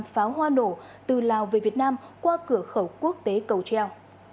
pháo hoa nổ từ lào về việt nam qua cửa khẩu quốc tế cầu treo